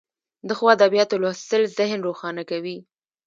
د ښو ادبیاتو لوستل ذهن روښانه کوي.